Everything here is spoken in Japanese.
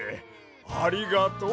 ありがとう！